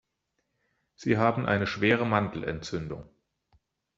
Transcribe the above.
Sie haben eine schwere Mandelentzündung.